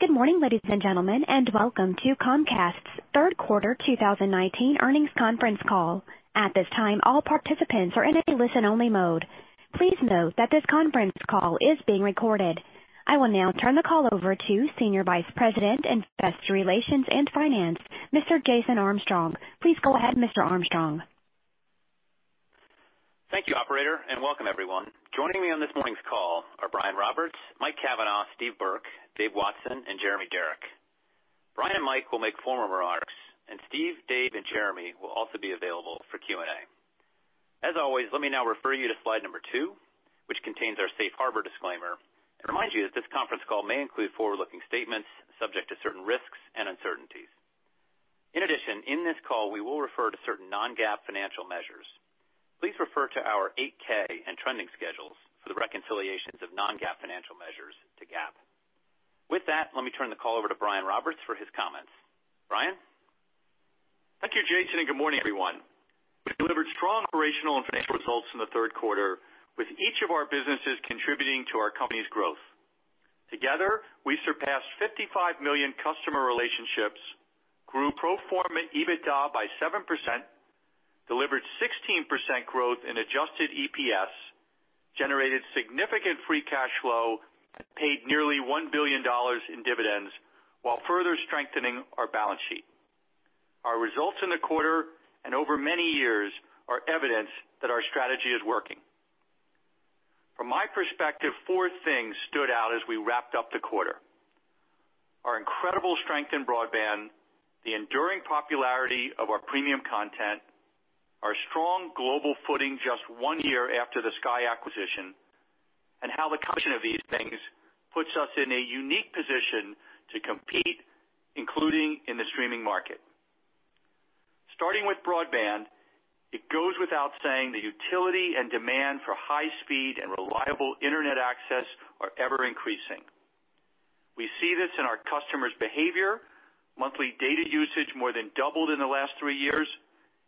Good morning, ladies and gentlemen, and welcome to Comcast's third quarter 2019 earnings conference call. At this time, all participants are in a listen-only mode. Please note that this conference call is being recorded. I will now turn the call over to Senior Vice President, Investor Relations and Finance, Mr. Jason Armstrong. Please go ahead, Mr. Armstrong. Thank you, Operator, and welcome everyone. Joining me on this morning's call are Brian Roberts, Mike Cavanagh, Steve Burke, Dave Watson, and Jeremy Darroch. Brian and Mike will make formal remarks, and Steve, Dave, and Jeremy will also be available for Q&A. As always, let me now refer you to slide number two, which contains our safe harbor disclaimer, and remind you that this conference call may include forward-looking statements subject to certain risks and uncertainties. In addition, in this call, we will refer to certain non-GAAP financial measures. Please refer to our 8-K and trending schedules for the reconciliations of non-GAAP financial measures to GAAP. With that, let me turn the call over to Brian Roberts for his comments. Brian? Thank you, Jason, and good morning, everyone. We've delivered strong operational and financial results in the third quarter, with each of our businesses contributing to our company's growth. Together, we surpassed 55 million customer relationships, grew pro forma EBITDA by 7%, delivered 16% growth in adjusted EPS, generated significant free cash flow, and paid nearly $1 billion in dividends, while further strengthening our balance sheet. Our results in the quarter and over many years are evidence that our strategy is working. From my perspective, four things stood out as we wrapped up the quarter. Our incredible strength in broadband, the enduring popularity of our premium content, our strong global footing just one year after the Sky acquisition, and how the combination of these things puts us in a unique position to compete, including in the streaming market. Starting with broadband, it goes without saying, the utility and demand for high speed and reliable internet access are ever increasing. We see this in our customers' behavior. Monthly data usage more than doubled in the last 3 years,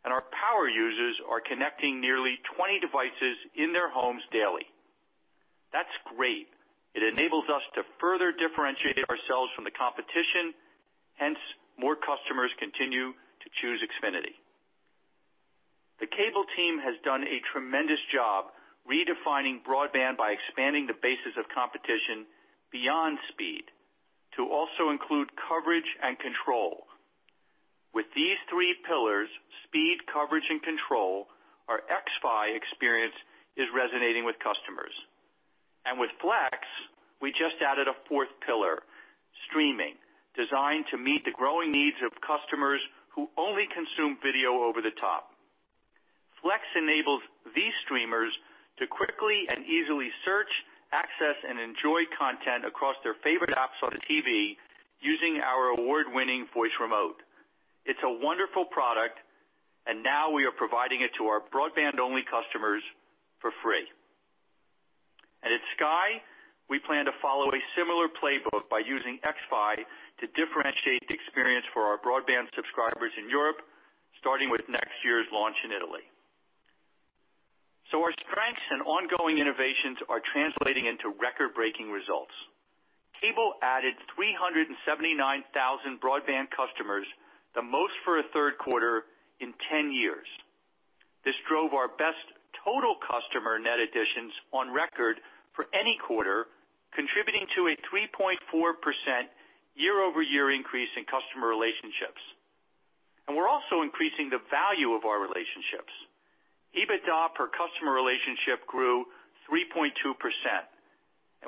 and our power users are connecting nearly 20 devices in their homes daily. That's great. It enables us to further differentiate ourselves from the competition, hence, more customers continue to choose Xfinity. The cable team has done a tremendous job redefining broadband by expanding the basis of competition beyond speed to also include coverage and control. With these three pillars, speed, coverage, and control, our xFi experience is resonating with customers. With Flex, we just added a fourth pillar, streaming, designed to meet the growing needs of customers who only consume video over the top. Flex enables these streamers to quickly and easily search, access, and enjoy content across their favorite apps on the TV using our award-winning voice remote. It's a wonderful product, and now we are providing it to our broadband-only customers for free. At Sky, we plan to follow a similar playbook by using xFi to differentiate the experience for our broadband subscribers in Europe, starting with next year's launch in Italy. Our strengths and ongoing innovations are translating into record-breaking results. Cable added 379,000 broadband customers, the most for a third quarter in 10 years. This drove our best total customer net additions on record for any quarter, contributing to a 3.4% year-over-year increase in customer relationships. We're also increasing the value of our relationships. EBITDA per customer relationship grew 3.2%.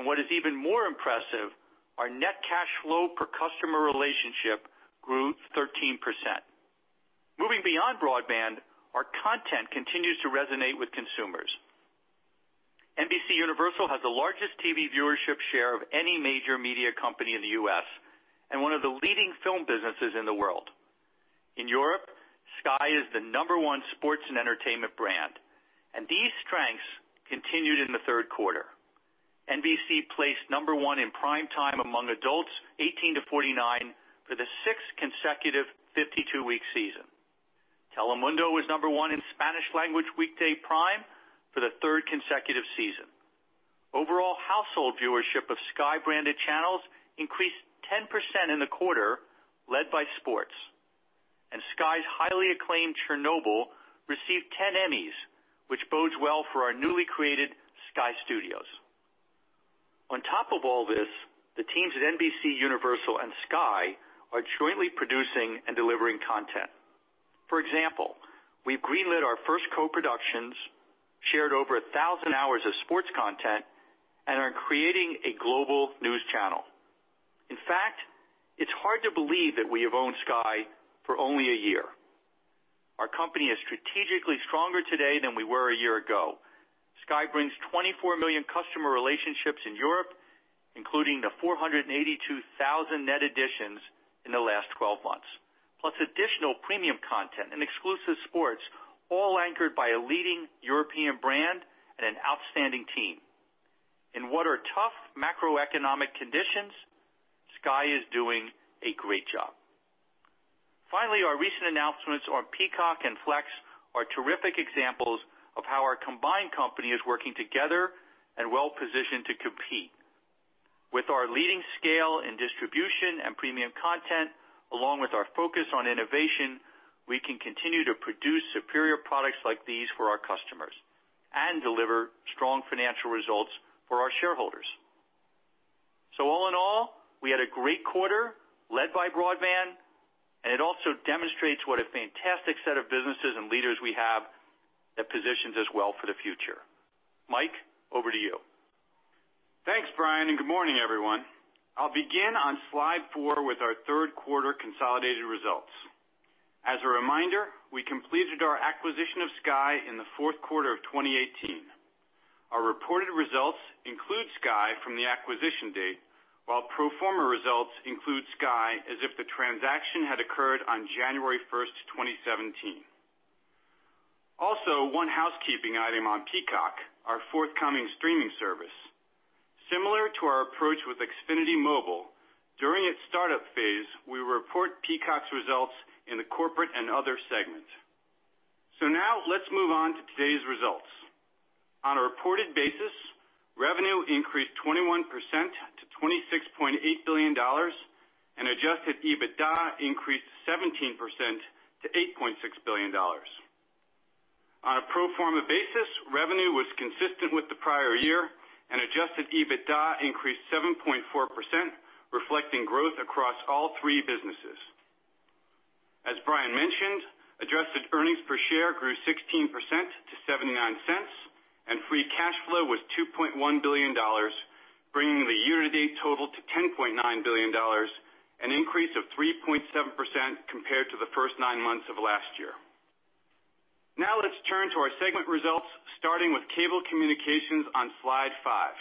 What is even more impressive, our net cash flow per customer relationship grew 13%. Moving beyond broadband, our content continues to resonate with consumers. NBCUniversal has the largest TV viewership share of any major media company in the U.S. and one of the leading film businesses in the world. In Europe, Sky is the number 1 sports and entertainment brand, and these strengths continued in the third quarter. NBC placed number 1 in prime time among adults 18-49 for the sixth consecutive 52-week season. Telemundo was number 1 in Spanish language weekday prime for the third consecutive season. Overall household viewership of Sky branded channels increased 10% in the quarter, led by sports. Sky's highly acclaimed Chernobyl received 10 Emmys, which bodes well for our newly created Sky Studios. On top of all this, the teams at NBCUniversal and Sky are jointly producing and delivering content. For example, we've greenlit our first co-productions, shared over 1,000 hours of sports content, and are creating a global news channel. It's hard to believe that we have owned Sky for only one year. Our company is strategically stronger today than we were one year ago. Sky brings 24 million customer relationships in Europe, including the 482,000 net additions in the last 12 months, plus additional premium content and exclusive sports, all anchored by a leading European brand and an outstanding team. In what are tough macroeconomic conditions, Sky is doing a great job. Our recent announcements on Peacock and Flex are terrific examples of how our combined company is working together and well-positioned to compete. With our leading scale in distribution and premium content, along with our focus on innovation, we can continue to produce superior products like these for our customers and deliver strong financial results for our shareholders. All in all, we had a great quarter led by broadband, and it also demonstrates what a fantastic set of businesses and leaders we have that positions us well for the future. Mike, over to you. Thanks, Brian, good morning, everyone. I'll begin on slide four with our third quarter consolidated results. As a reminder, we completed our acquisition of Sky in the fourth quarter of 2018. Our reported results include Sky from the acquisition date, while pro forma results include Sky as if the transaction had occurred on January 1st, 2017. One housekeeping item on Peacock, our forthcoming streaming service. Similar to our approach with Xfinity Mobile, during its startup phase, we will report Peacock's results in the Corporate and Other segment. Now let's move on to today's results. On a reported basis, revenue increased 21% to $26.8 billion, adjusted EBITDA increased 17% to $8.6 billion. On a pro forma basis, revenue was consistent with the prior year, adjusted EBITDA increased 7.4%, reflecting growth across all three businesses. As Brian mentioned, adjusted earnings per share grew 16% to $0.79, and free cash flow was $2.1 billion, bringing the year-to-date total to $10.9 billion, an increase of 3.7% compared to the first nine months of last year. Now let's turn to our segment results, starting with Cable Communications on slide five.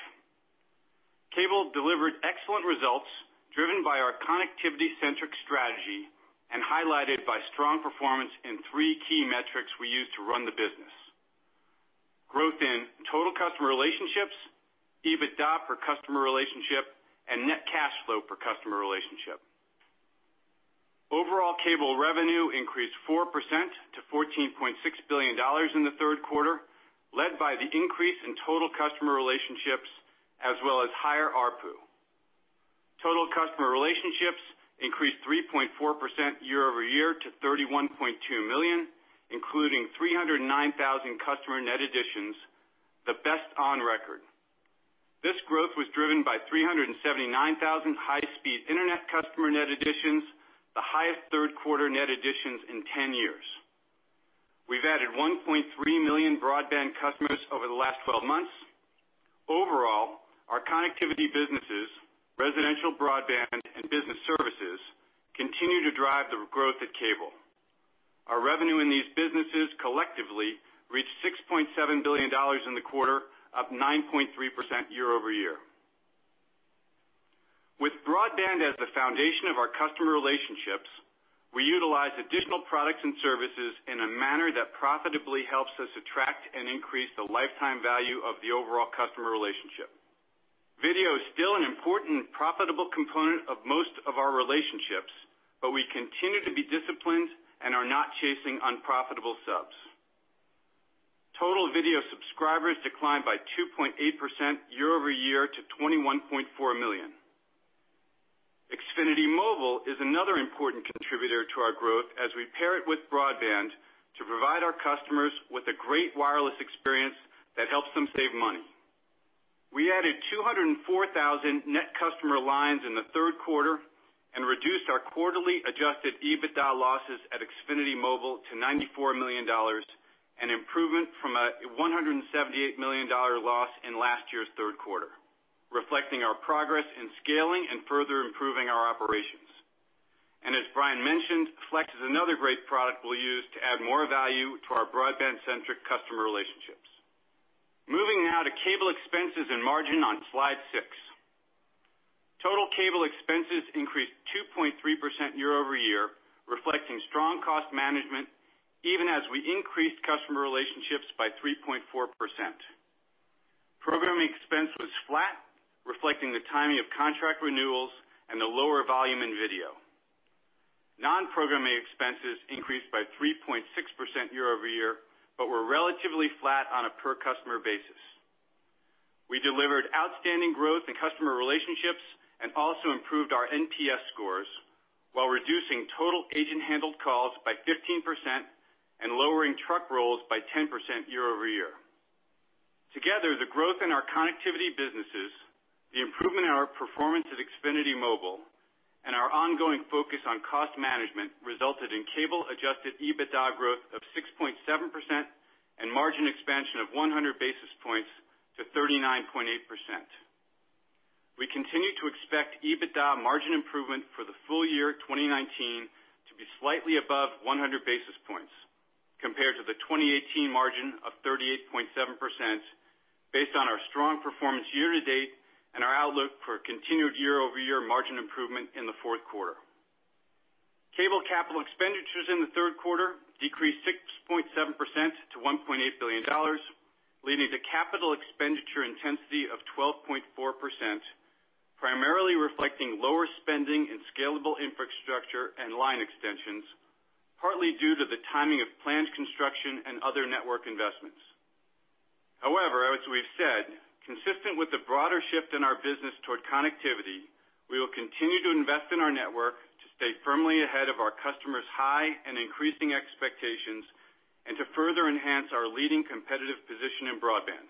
Cable delivered excellent results, driven by our connectivity-centric strategy and highlighted by strong performance in three key metrics we use to run the business. Growth in total customer relationships, EBITDA per customer relationship, and net cash flow per customer relationship. Overall Cable revenue increased 4% to $14.6 billion in the third quarter, led by the increase in total customer relationships as well as higher ARPU. Total customer relationships increased 3.4% year-over-year to 31.2 million, including 309,000 customer net additions, the best on record. This growth was driven by 379,000 high-speed internet customer net additions, the highest third quarter net additions in 10 years. We've added 1.3 million broadband customers over the last 12 months. Overall, our connectivity businesses, residential broadband and business services, continue to drive the growth at Cable. Our revenue in these businesses collectively reached $6.7 billion in the quarter, up 9.3% year-over-year. With broadband as the foundation of our customer relationships, we utilize additional products and services in a manner that profitably helps us attract and increase the lifetime value of the overall customer relationship. Video is still an important profitable component of most of our relationships, but we continue to be disciplined and are not chasing unprofitable subs. Total video subscribers declined by 2.8% year-over-year to 21.4 million. Xfinity Mobile is another important contributor to our growth as we pair it with broadband to provide our customers with a great wireless experience that helps them save money. We added 204,000 net customer lines in the third quarter and reduced our quarterly adjusted EBITDA losses at Xfinity Mobile to $94 million, an improvement from a $178 million loss in last year's third quarter, reflecting our progress in scaling and further improving our operations. As Brian mentioned, Flex is another great product we'll use to add more value to our broadband-centric customer relationships. Moving now to cable expenses and margin on slide six. Total cable expenses increased 2.3% year-over-year, reflecting strong cost management even as we increased customer relationships by 3.4%. Programming expense was flat, reflecting the timing of contract renewals and the lower volume in video. Non-programming expenses increased by 3.6% year-over-year, but were relatively flat on a per customer basis. We delivered outstanding growth in customer relationships and also improved our NPS scores while reducing total agent-handled calls by 15% and lowering truck rolls by 10% year-over-year. Together, the growth in our connectivity businesses, the improvement in our performance at Xfinity Mobile, and our ongoing focus on cost management resulted in Cable adjusted EBITDA growth of 6.7% and margin expansion of 100 basis points to 39.8%. We continue to expect EBITDA margin improvement for the full year 2019 to be slightly above 100 basis points compared to the 2018 margin of 38.7%, based on our strong performance year to date and our outlook for continued year-over-year margin improvement in the fourth quarter. Cable capital expenditures in the third quarter decreased 6.7% to $1.8 billion, leading to capital expenditure intensity of 12.4%. Primarily reflecting lower spending in scalable infrastructure and line extensions, partly due to the timing of planned construction and other network investments. However, as we've said, consistent with the broader shift in our business toward connectivity, we will continue to invest in our network to stay firmly ahead of our customers' high and increasing expectations, and to further enhance our leading competitive position in broadband.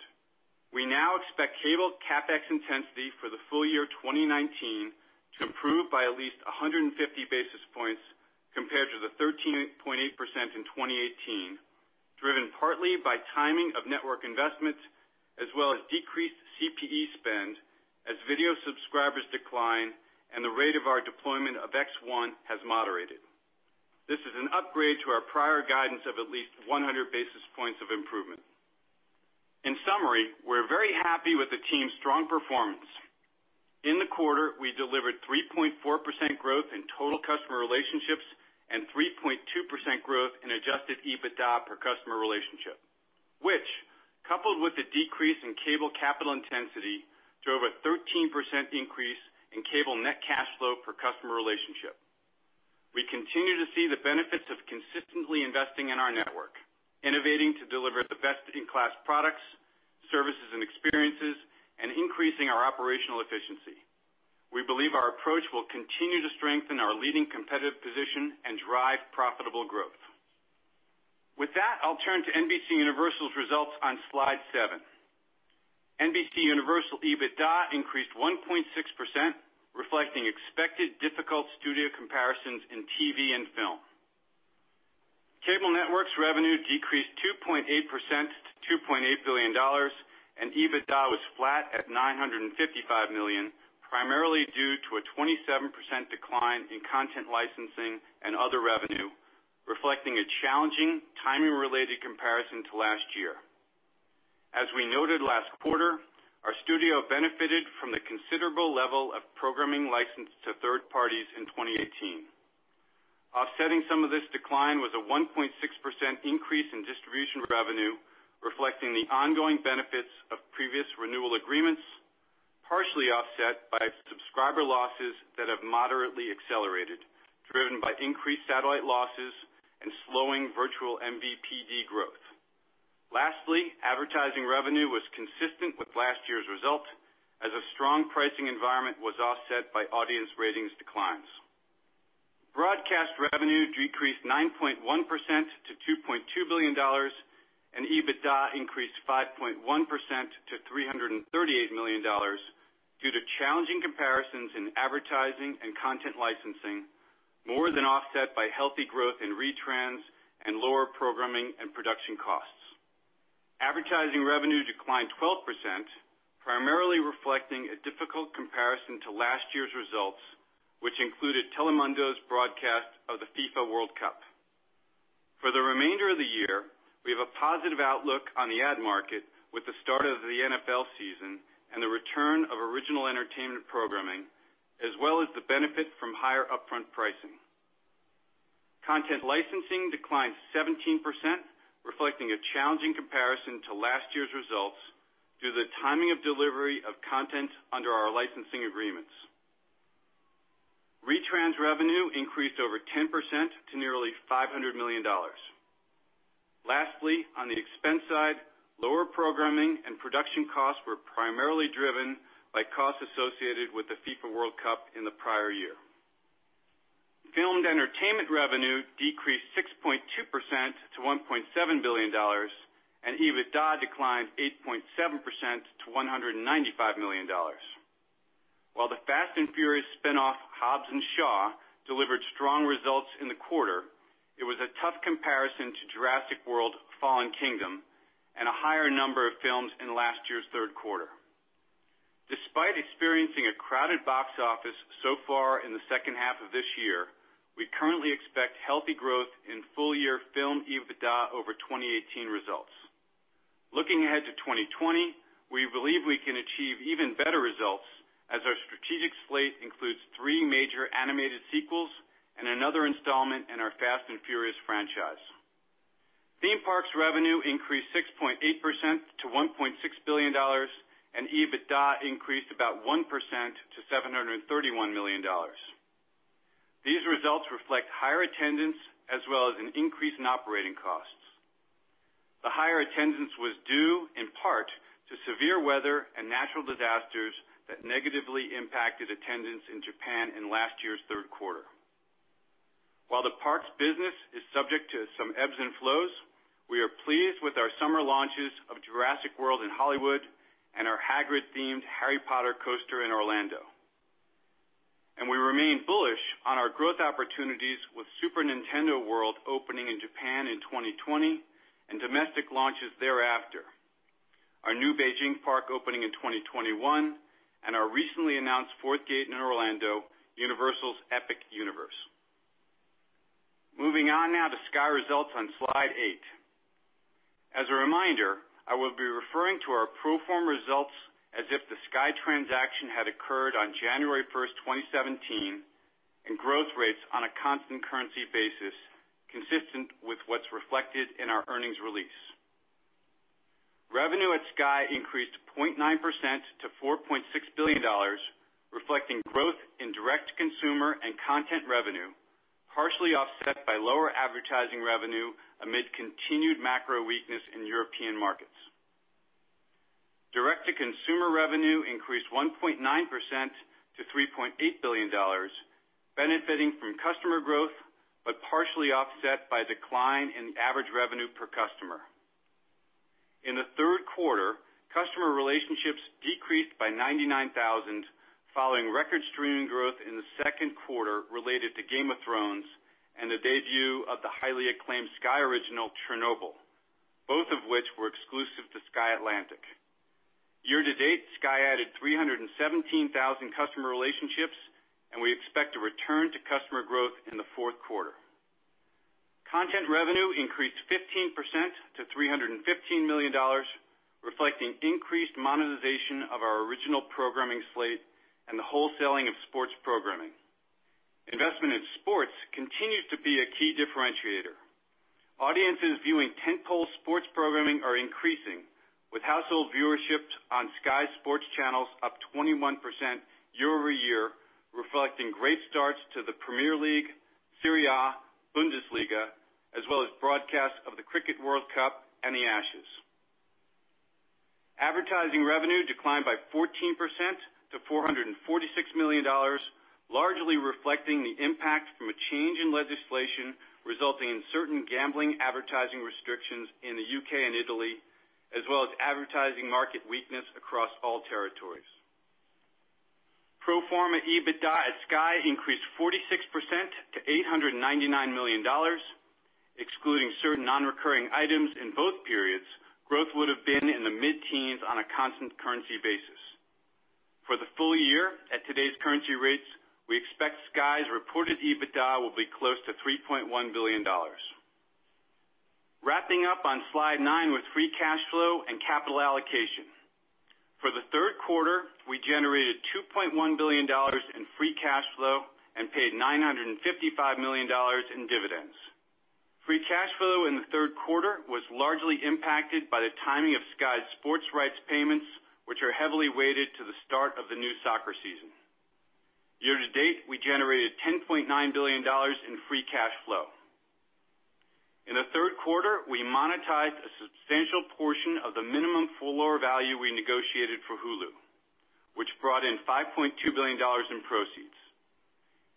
We now expect cable CapEx intensity for the full year 2019 to improve by at least 150 basis points compared to the 13.8% in 2018, driven partly by timing of network investments as well as decreased CPE spend as video subscribers decline and the rate of our deployment of X1 has moderated. This is an upgrade to our prior guidance of at least 100 basis points of improvement. In summary, we're very happy with the team's strong performance. In the quarter, we delivered 3.4% growth in total customer relationships and 3.2% growth in adjusted EBITDA per customer relationship, which, coupled with a decrease in Cable capital intensity, drove a 13% increase in Cable net cash flow per customer relationship. We continue to see the benefits of consistently investing in our network, innovating to deliver best-in-class products, services, and experiences, and increasing our operational efficiency. We believe our approach will continue to strengthen our leading competitive position and drive profitable growth. With that, I'll turn to NBCUniversal's results on slide seven. NBCUniversal EBITDA increased 1.6%, reflecting expected difficult studio comparisons in TV and film. Cable networks revenue decreased 2.8% to $2.8 billion, and EBITDA was flat at $955 million, primarily due to a 27% decline in content licensing and other revenue, reflecting a challenging timing-related comparison to last year. As we noted last quarter, our studio benefited from the considerable level of programming licensed to third parties in 2018. Offsetting some of this decline was a 1.6% increase in distribution revenue, reflecting the ongoing benefits of previous renewal agreements, partially offset by subscriber losses that have moderately accelerated, driven by increased satellite losses and slowing virtual MVPD growth. Lastly, advertising revenue was consistent with last year's result, as a strong pricing environment was offset by audience ratings declines. Broadcast revenue decreased 9.1% to $2.2 billion, and EBITDA increased 5.1% to $338 million due to challenging comparisons in advertising and content licensing more than offset by healthy growth in retrans and lower programming and production costs. Advertising revenue declined 12%, primarily reflecting a difficult comparison to last year's results, which included Telemundo's broadcast of the FIFA World Cup. For the remainder of the year, we have a positive outlook on the ad market with the start of the NFL season and the return of original entertainment programming, as well as the benefit from higher upfront pricing. Content licensing declined 17%, reflecting a challenging comparison to last year's results due to the timing of delivery of content under our licensing agreements. Retrans revenue increased over 10% to nearly $500 million. Lastly, on the expense side, lower programming and production costs were primarily driven by costs associated with the FIFA World Cup in the prior year. Filmed entertainment revenue decreased 6.2% to $1.7 billion, and EBITDA declined 8.7% to $195 million. While the "Fast & Furious" spinoff, "Hobbs & Shaw," delivered strong results in the quarter, it was a tough comparison to "Jurassic World: Fallen Kingdom" and a higher number of films in last year's third quarter. Despite experiencing a crowded box office so far in the second half of this year, we currently expect healthy growth in full-year film EBITDA over 2018 results. Looking ahead to 2020, we believe we can achieve even better results as our strategic slate includes three major animated sequels and another installment in our "Fast & Furious" franchise. Theme parks revenue increased 6.8% to $1.6 billion, and EBITDA increased about 1% to $731 million. These results reflect higher attendance as well as an increase in operating costs. The higher attendance was due in part to severe weather and natural disasters that negatively impacted attendance in Japan in last year's third quarter. While the parks business is subject to some ebbs and flows, we are pleased with our summer launches of Jurassic World in Hollywood and our Hagrid-themed Harry Potter coaster in Orlando. We remain bullish on our growth opportunities with Super Nintendo World opening in Japan in 2020 and domestic launches thereafter. Our new Beijing park opening in 2021 and our recently announced fourth gate in Orlando, Universal's Epic Universe. Moving on now to Sky results on slide eight. As a reminder, I will be referring to our pro forma results as if the Sky transaction had occurred on January 1st, 2017, and growth rates on a constant currency basis consistent with what's reflected in our earnings release. Revenue at Sky increased 0.9% to $4.6 billion, reflecting growth in Direct-to-consumer and content revenue, partially offset by lower advertising revenue amid continued macro weakness in European markets. Direct-to-consumer revenue increased 1.9% to $3.8 billion, benefiting from customer growth, but partially offset by decline in average revenue per customer. In the third quarter, customer relationships decreased by 99,000, following record streaming growth in the second quarter related to "Game of Thrones" and the debut of the highly acclaimed Sky Original, "Chernobyl," both of which were exclusive to Sky Atlantic. Year to date, Sky added 317,000 customer relationships, and we expect a return to customer growth in the fourth quarter. Content revenue increased 15% to $315 million, reflecting increased monetization of our original programming slate and the wholesaling of sports programming. Investment in sports continues to be a key differentiator. Audiences viewing tentpole sports programming are increasing, with household viewership on Sky Sports channels up 21% year-over-year, reflecting great starts to the Premier League, Serie A, Bundesliga, as well as broadcasts of the Cricket World Cup and The Ashes. Advertising revenue declined by 14% to $446 million, largely reflecting the impact from a change in legislation resulting in certain gambling advertising restrictions in the U.K. and Italy, as well as advertising market weakness across all territories. Pro forma EBITDA at Sky increased 46% to $899 million. Excluding certain non-recurring items in both periods, growth would've been in the mid-teens on a constant currency basis. For the full year, at today's currency rates, we expect Sky's reported EBITDA will be close to $3.1 billion. Wrapping up on slide nine with free cash flow and capital allocation. For the third quarter, we generated $2.1 billion in free cash flow and paid $955 million in dividends. Free cash flow in the third quarter was largely impacted by the timing of Sky's sports rights payments, which are heavily weighted to the start of the new soccer season. Year to date, we generated $10.9 billion in free cash flow. In the third quarter, we monetized a substantial portion of the minimum full-floor value we negotiated for Hulu, which brought in $5.2 billion in proceeds.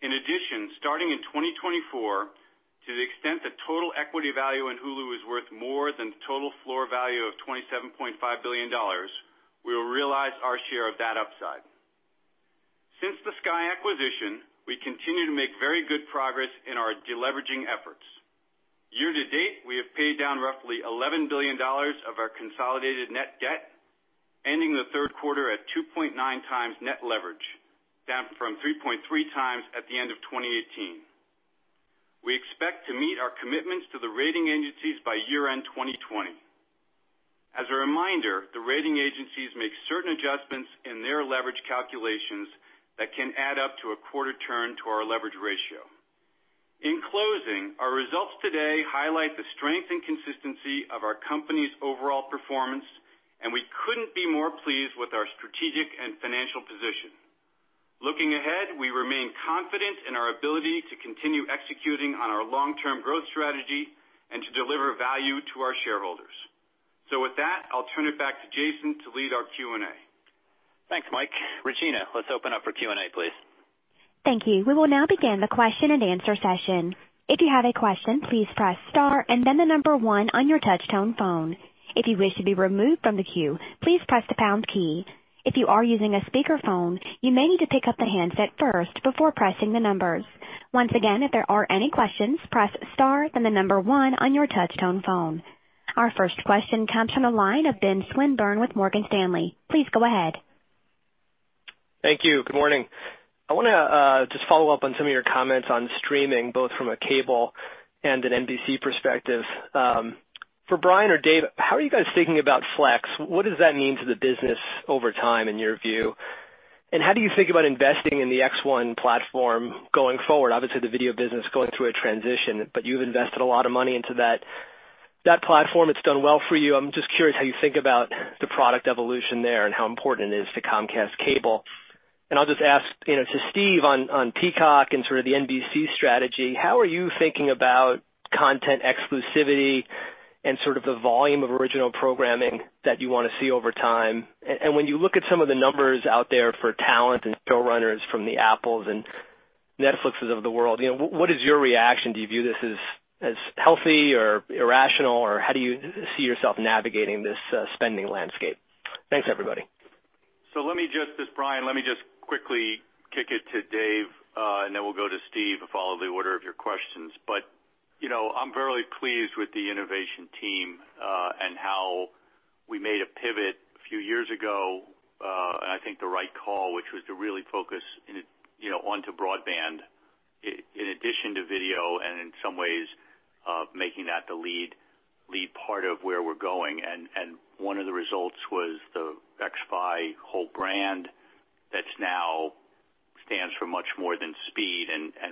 In addition, starting in 2024, to the extent that total equity value in Hulu is worth more than the total floor value of $27.5 billion, we will realize our share of that upside. Since the Sky acquisition, we continue to make very good progress in our de-leveraging efforts. Year to date, we have paid down roughly $11 billion of our consolidated net debt, ending the third quarter at 2.9 times net leverage, down from 3.3 times at the end of 2018. We expect to meet our commitments to the rating agencies by year-end 2020. As a reminder, the rating agencies make certain adjustments in their leverage calculations that can add up to a quarter turn to our leverage ratio. In closing, our results today highlight the strength and consistency of our company's overall performance, and we couldn't be more pleased with our strategic and financial position. Looking ahead, we remain confident in our ability to continue executing on our long-term growth strategy and to deliver value to our shareholders. With that, I'll turn it back to Jason to lead our Q&A. Thanks, Mike. Regina, let's open up for Q&A please. Thank you. We will now begin the question-and-answer session. If you have a question, please press star, and then the number one on your touchtone phone. If you wish to be removed from the queue, please press the pound key. If you are using a speakerphone, you may need to pick up the handset first before pressing the numbers. Once again, if there are any questions, press star, then the number one on your touchtone phone. Our first question comes from the line of Benjamin Swinburne with Morgan Stanley. Please go ahead. Thank you. Good morning. I want to just follow up on some of your comments on streaming, both from a cable and an NBC perspective. For Brian or Dave, how are you guys thinking about Flex? What does that mean to the business over time, in your view? How do you think about investing in the X1 platform going forward? Obviously, the video business going through a transition, but you've invested a lot of money into that platform. It's done well for you. I'm just curious how you think about the product evolution there and how important it is to Comcast Cable. I'll just ask to Steve on Peacock and sort of the NBC strategy, how are you thinking about content exclusivity and sort of the volume of original programming that you want to see over time? When you look at some of the numbers out there for talent and showrunners from the Apples and Netflixes of the world, what is your reaction? Do you view this as healthy or irrational, or how do you see yourself navigating this spending landscape? Thanks, everybody. This is Brian. Let me just quickly kick it to Dave, and then we'll go to Steve to follow the order of your questions. I'm very pleased with the innovation team, and how we made a pivot a few years ago, and I think the right call, which was to really focus onto broadband in addition to video, and in some ways of making that the lead part of where we're going. One of the results was. My whole brand that now stands for much more than speed.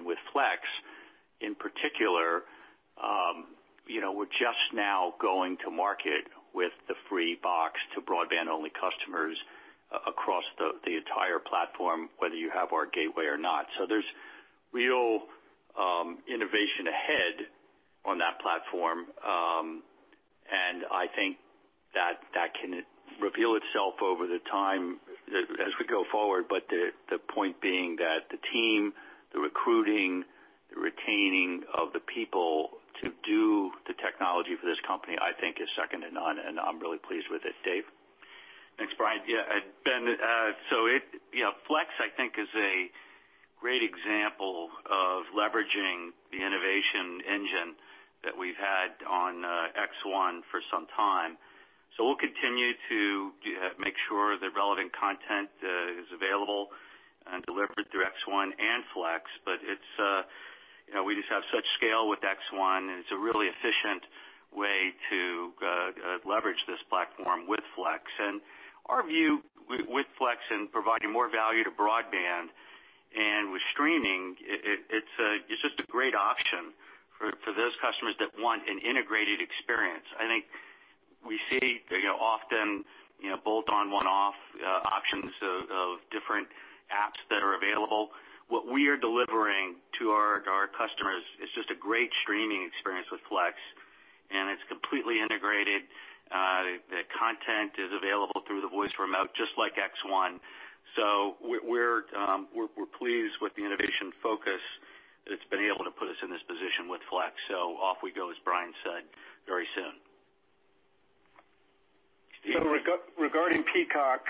With Flex in particular, we're just now going to market with the free box to broadband-only customers across the entire platform, whether you have our gateway or not. There's real innovation ahead on that platform, and I think that can reveal itself over time as we go forward. The point being that the team, the recruiting, the retaining of the people to do the technology for this company, I think is second to none, and I'm really pleased with it. Dave? Thanks, Brian. Yeah, Ben. Flex, I think is a great example of leveraging the innovation engine that we've had on X1 for some time. We'll continue to make sure the relevant content is available and delivered through X1 and Flex. We just have such scale with X1, and it's a really efficient way to leverage this platform with Flex. Our view with Flex and providing more value to broadband and with streaming, it's just a great option for those customers that want an integrated experience. I think we see often bolt-on one-off options of different apps that are available. What we are delivering to our customers is just a great streaming experience with Flex, and it's completely integrated. The content is available through the voice remote, just like X1. We're pleased with the innovation focus that's been able to put us in this position with Flex. Off we go, as Brian said, very soon. Regarding Peacock,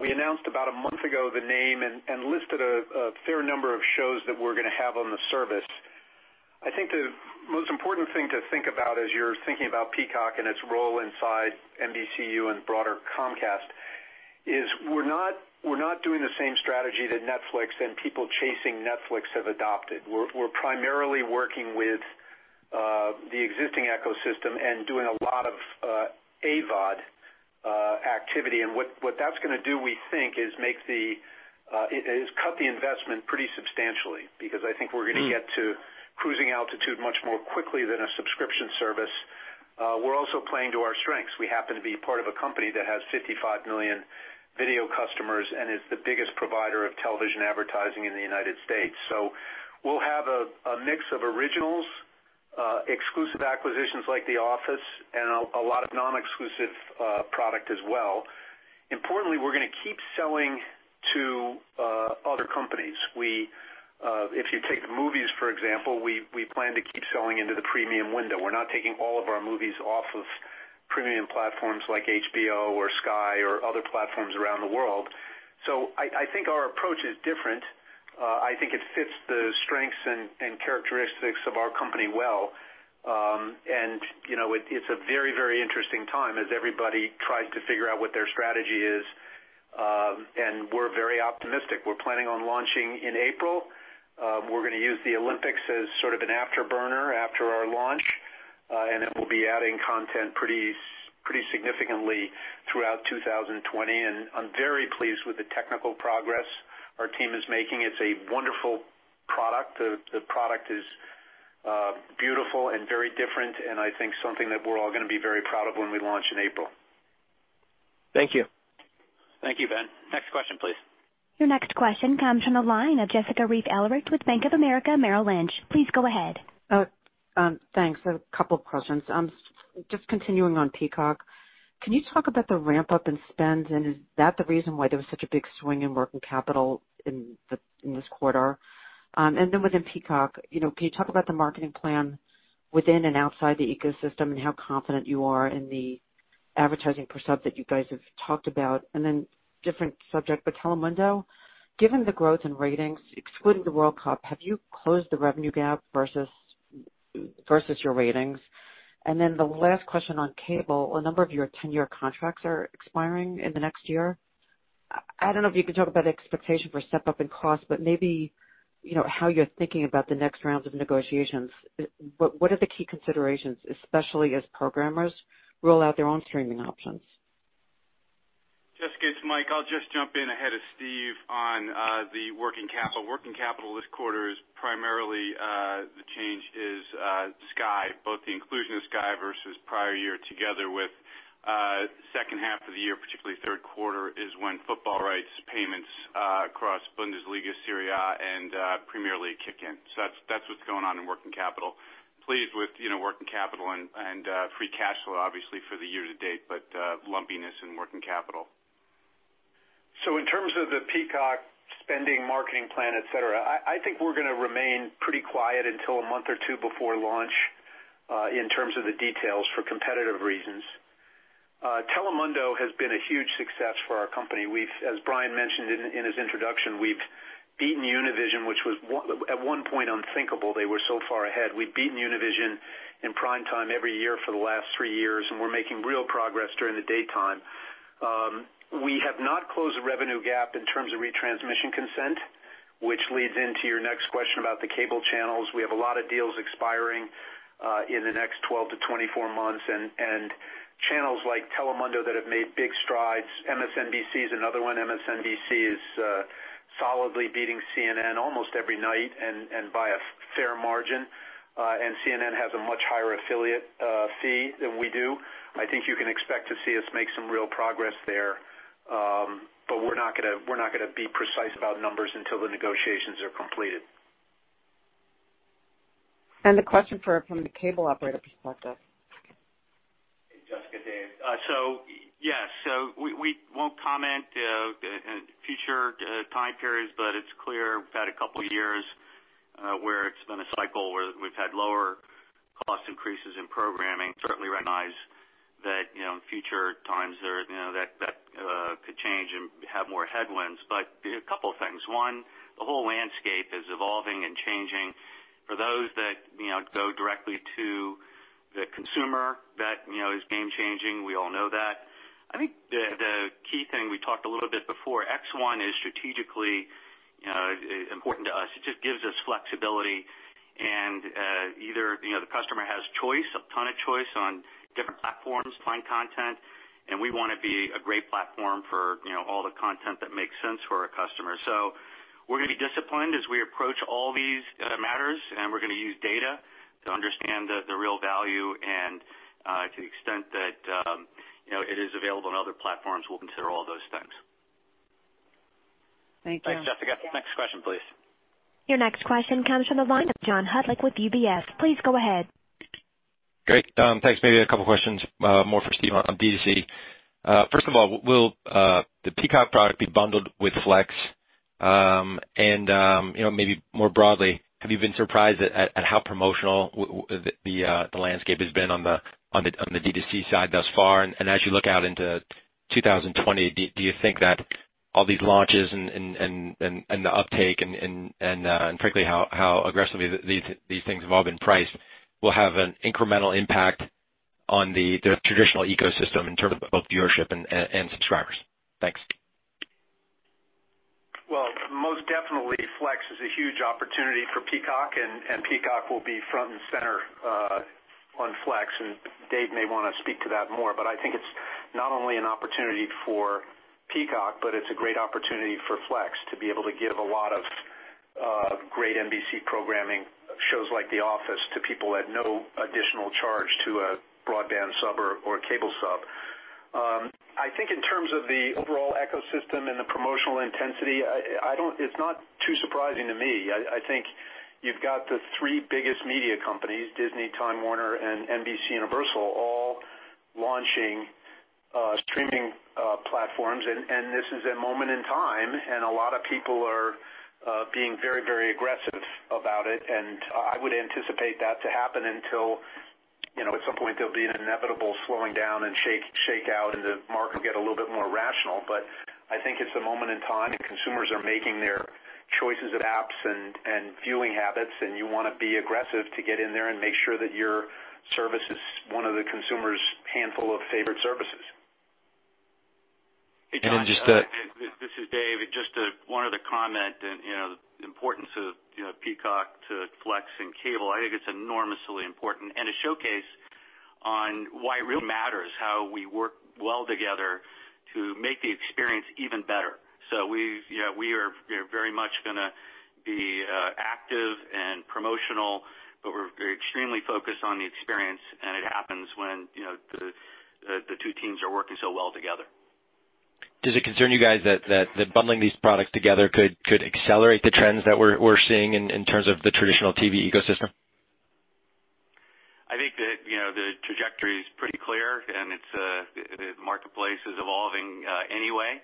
we announced about a month ago the name and listed a fair number of shows that we're going to have on the service. I think the most important thing to think about as you're thinking about Peacock and its role inside NBCU and broader Comcast is we're not doing the same strategy that Netflix and people chasing Netflix have adopted. We're primarily working with the existing ecosystem and doing a lot of AVOD activity. What that's going to do, we think, is cut the investment pretty substantially, because I think we're going to get to cruising altitude much more quickly than a subscription service. We're also playing to our strengths. We happen to be part of a company that has 55 million video customers and is the biggest provider of television advertising in the U.S. We'll have a mix of originals, exclusive acquisitions like "The Office," and a lot of non-exclusive product as well. Importantly, we're going to keep selling to other companies. If you take the movies, for example, we plan to keep selling into the premium window. We're not taking all of our movies off of premium platforms like HBO or Sky or other platforms around the world. I think our approach is different. I think it fits the strengths and characteristics of our company well. It's a very interesting time as everybody tries to figure out what their strategy is, and we're very optimistic. We're planning on launching in April. We're going to use the Olympics as sort of an afterburner after our launch, then we'll be adding content pretty significantly throughout 2020. I'm very pleased with the technical progress our team is making. It's a wonderful product. The product is beautiful and very different, and I think something that we're all going to be very proud of when we launch in April. Thank you. Thank you, Ben. Next question, please. Your next question comes from the line of Jessica Reif Ehrlich with Bank of America Merrill Lynch. Please go ahead. Thanks. A couple of questions. Just continuing on Peacock, can you talk about the ramp-up in spend, and is that the reason why there was such a big swing in working capital in this quarter? Within Peacock, can you talk about the marketing plan within and outside the ecosystem and how confident you are in the advertising prospect that you guys have talked about? Different subject, Telemundo, given the growth in ratings excluding the World Cup, have you closed the revenue gap versus your ratings? The last question on cable, a number of your 10-year contracts are expiring in the next year. I don't know if you can talk about expectation for step-up in cost, maybe how you're thinking about the next rounds of negotiations. What are the key considerations, especially as programmers roll out their own streaming options? Jessica, it's Mike. I'll just jump in ahead of Steve on the working capital. Working capital this quarter is primarily the change is Sky, both the inclusion of Sky versus prior year together with second half of the year, particularly third quarter, is when football rights payments across Bundesliga, Serie A, and Premier League kick in. That's what's going on in working capital. Pleased with working capital and free cash flow obviously for the year to date, but lumpiness in working capital. In terms of the Peacock spending, marketing plan, et cetera, I think we're going to remain pretty quiet until a month or two before launch in terms of the details for competitive reasons. Telemundo has been a huge success for our company. As Brian mentioned in his introduction, we've beaten Univision, which was at one point unthinkable. They were so far ahead. We've beaten Univision in prime time every year for the last three years, and we're making real progress during the daytime. We have not closed the revenue gap in terms of retransmission consent, which leads into your next question about the cable channels. We have a lot of deals expiring in the next 12-24 months, and channels like Telemundo that have made big strides. MSNBC is another one. MSNBC is solidly beating CNN almost every night and by a fair margin. CNN has a much higher affiliate fee than we do. I think you can expect to see us make some real progress there. We're not going to be precise about numbers until the negotiations are completed. The question from the cable operator perspective. Hey, Jessica. Dave. Yes. We won't comment in future time periods, but it's clear we've had a couple of years where it's been a cycle where we've had lower cost increases in programming. Certainly recognize that in future times that could change and have more headwinds. A couple of things. One, the whole landscape is evolving and changing. For those that go directly to the consumer, that is game changing. We all know that. I think the key thing we talked a little bit before, X1 is strategically important to us. It just gives us flexibility, and either the customer has choice, a ton of choice on different platforms to find content, and we want to be a great platform for all the content that makes sense for our customers. We're going to be disciplined as we approach all these matters, and we're going to use data to understand the real value and to the extent that it is available on other platforms, we'll consider all those things. Thank you. Thanks, Jessica. Next question, please. Your next question comes from the line of John Hodulik with UBS. Please go ahead. Great, thanks. Maybe a couple questions more for Steve on D2C. First of all, will the Peacock product be bundled with Flex? Maybe more broadly, have you been surprised at how promotional the landscape has been on the D2C side thus far? As you look out into 2020, do you think that all these launches and the uptake and frankly how aggressively these things have all been priced will have an incremental impact on the traditional ecosystem in terms of both viewership and subscribers? Thanks. Well, most definitely, Flex is a huge opportunity for Peacock, and Peacock will be front and center on Flex, and Dave may want to speak to that more, but I think it's not only an opportunity for Peacock, but it's a great opportunity for Flex to be able to give a lot of great NBC programming shows like "The Office" to people at no additional charge to a broadband sub or a cable sub. I think in terms of the overall ecosystem and the promotional intensity, it's not too surprising to me. I think you've got the three biggest media companies, Disney, Time Warner, and NBCUniversal, all launching streaming platforms, and this is a moment in time, and a lot of people are being very aggressive about it, and I would anticipate that to happen until at some point there'll be an inevitable slowing down and shakeout, and the market will get a little bit more rational. But I think it's a moment in time, and consumers are making their choices of apps and viewing habits, and you want to be aggressive to get in there and make sure that your service is one of the consumer's handful of favorite services. And just to- Hey, John, this is Dave. Just one other comment, the importance of Peacock to Flex and cable. I think it's enormously important and a showcase on why it really matters how we work well together to make the experience even better. We are very much going to be active and promotional, but we're extremely focused on the experience, and it happens when the two teams are working so well together. Does it concern you guys that bundling these products together could accelerate the trends that we're seeing in terms of the traditional TV ecosystem? I think that the trajectory is pretty clear, and the marketplace is evolving anyway.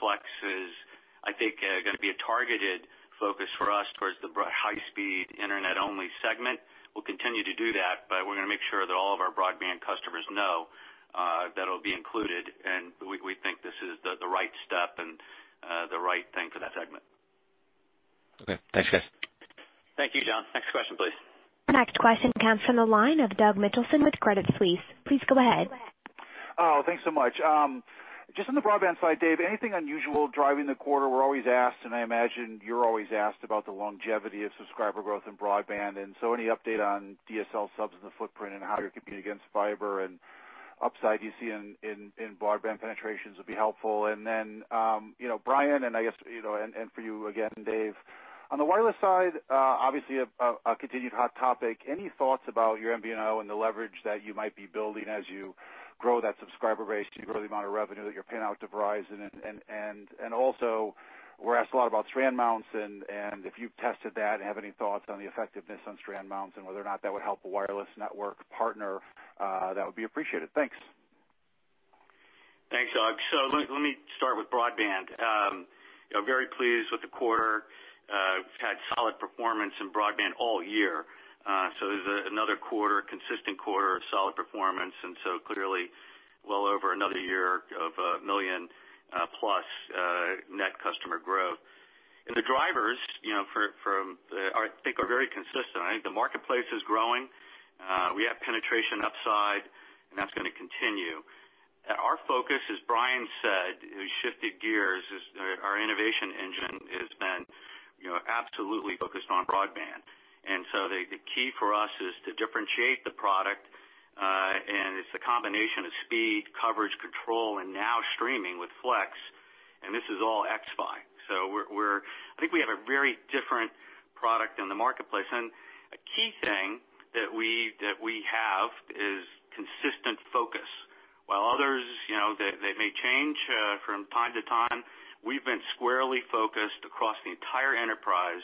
Flex is, I think, going to be a targeted focus for us towards the high-speed Internet-only segment. We'll continue to do that, but we're going to make sure that all of our broadband customers know that it'll be included. We think this is the right step and the right thing for that segment. Okay. Thanks, guys. Thank you, John. Next question, please. Next question comes from the line of Douglas Mitchelson with Credit Suisse. Please go ahead. Thanks so much. On the broadband side, Dave, anything unusual driving the quarter? We're always asked, and I imagine you're always asked about the longevity of subscriber growth in broadband. Any update on DSL subs in the footprint and how you're competing against fiber and upside you see in broadband penetrations would be helpful. Brian, I guess, and for you again, Dave, on the wireless side obviously a continued hot topic. Any thoughts about your MVNO and the leverage that you might be building as you grow that subscriber base to grow the amount of revenue that you're paying out to Verizon? Also, we're asked a lot about strand mounts, and if you've tested that and have any thoughts on the effectiveness on strand mounts and whether or not that would help a wireless network partner that would be appreciated. Thanks. Thanks, Doug. Let me start with broadband. Very pleased with the quarter. We've had solid performance in broadband all year. There's another quarter, consistent quarter of solid performance, clearly well over another year of 1 million-plus net customer growth. The drivers I think are very consistent. I think the marketplace is growing. We have penetration upside, and that's going to continue. Our focus, as Brian said, we shifted gears. Our innovation engine has been absolutely focused on broadband. The key for us is to differentiate the product, and it's the combination of speed, coverage, control, and now streaming with Flex, and this is all xFi. I think we have a very different product in the marketplace, and a key thing that we have is consistent focus. While others, they may change from time to time, we've been squarely focused across the entire enterprise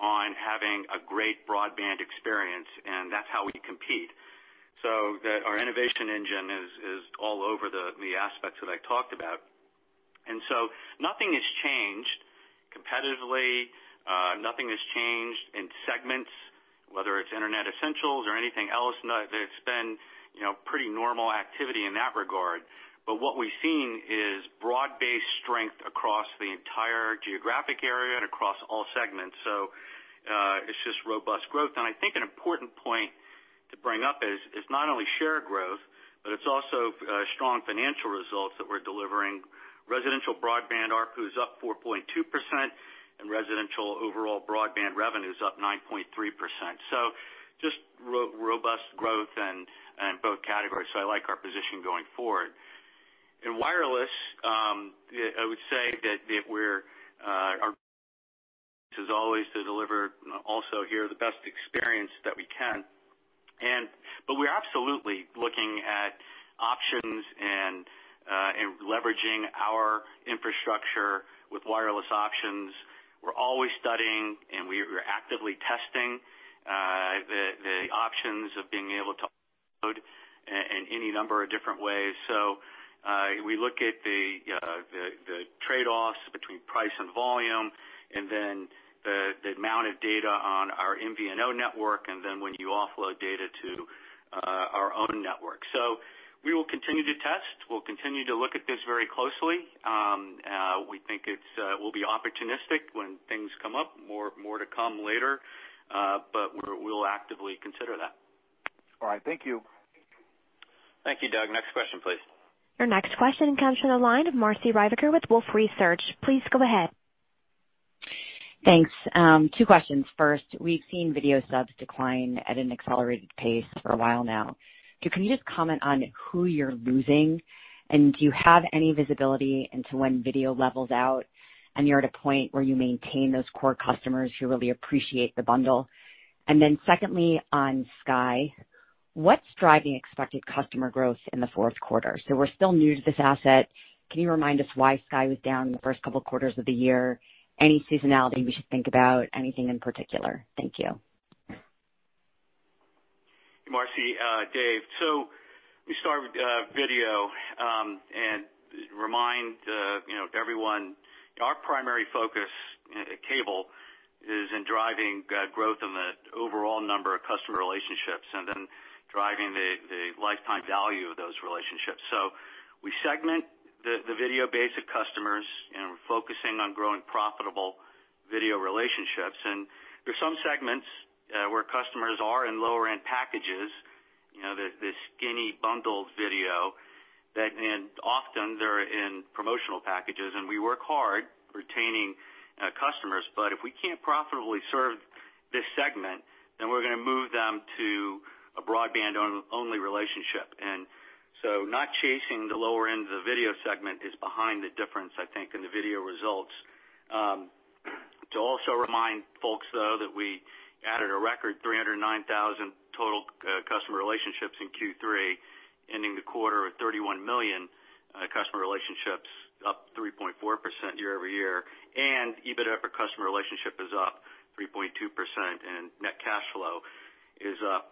on having a great broadband experience, and that's how we compete. Our innovation engine is all over the aspects that I talked about. Nothing has changed competitively. Nothing has changed in segments, whether it's Internet Essentials or anything else. It's been pretty normal activity in that regard. What we've seen is broad-based strength across the entire geographic area and across all segments. It's just robust growth. I think an important point to bring up is not only share growth, but it's also strong financial results that we're delivering. Residential broadband ARPU is up 4.2%, and residential overall broadband revenue is up 9.3%. Just robust growth in both categories. I like our position going forward. In wireless, I would say that our goal is always to deliver also here the best experience that we can. We're absolutely looking at options and leveraging our infrastructure with wireless options. We're always studying, and we're actively testing the options of being able to offload in any number of different ways. We look at the trade-offs between price and volume and then the amount of data on our MVNO network, and then when you offload data to our own network. We will continue to test. We'll continue to look at this very closely. We think we'll be opportunistic when things come up, more to come later. We'll actively consider that. All right. Thank you. Thank you, Doug. Next question, please. Your next question comes from the line of Marci Ryvicker with Wolfe Research. Please go ahead. Thanks. Two questions. First, we've seen video subs decline at an accelerated pace for a while now. Can you just comment on who you're losing? Do you have any visibility into when video levels out and you're at a point where you maintain those core customers who really appreciate the bundle? Secondly, on Sky, what's driving expected customer growth in the fourth quarter? We're still new to this asset. Can you remind us why Sky was down in the first couple quarters of the year? Any seasonality we should think about? Anything in particular? Thank you. Marci, Dave. Let me start with video, and remind everyone our primary focus at Cable is in driving growth in the overall number of customer relationships and then driving the lifetime value of those relationships. We segment the video base of customers, and we're focusing on growing profitable video relationships. There's some segments where customers are in lower-end packages, the skinny bundled video, and often they're in promotional packages, and we work hard retaining customers. If we can't profitably serve this segment, then we're going to move them to a broadband-only relationship. Not chasing the lower end of the video segment is behind the difference, I think, in the video results. To also remind folks, though, that we added a record 309,000 total customer relationships in Q3, ending the quarter at 31 million customer relationships, up 3.4% year-over-year, and EBITDA per customer relationship is up 3.2%, and net cash flow is up